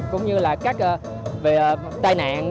cũng như là các tài nạn